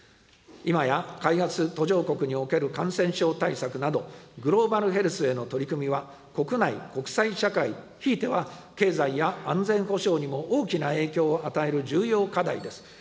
今や開発途上国における感染症対策など、グローバルヘルスへの取り組みは、国内・国際社会、ひいては経済や安全保障にも大きな影響を与える重要課題です。